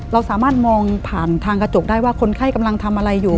เราสามารถมองผ่านทางกระจกได้ว่าคนไข้กำลังทำอะไรอยู่